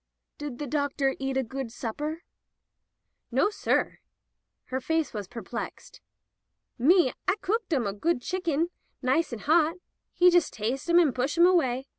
"Did the doctor eat a good supper?" "Nossir." Her face was perplexed. "Me, I cooked 'em a good shicken, nice and hot. He jus' tas'e 'em and push 'em away.